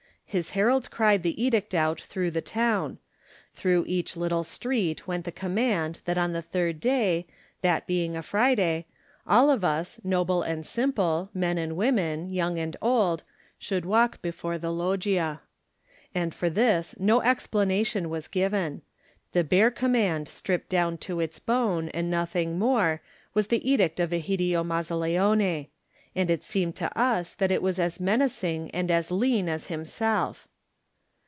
His heralds cried the edict out through the town; through each little street went the command that on the third day, that being a Friday, all of us, noble and simple, men and women, young and old, should walk before the loggia. And for this no explana tion was given; the bare command stripped down to its bone, and nothing more, was the edict of Egidio Mazzaleone — and it seemed to us that it was as menacing and as lean as himself.